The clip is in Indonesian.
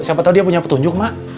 siapa tau dia punya petunjuk ma